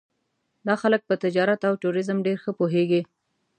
دا خلک په تجارت او ټوریزم ډېر ښه پوهېږي.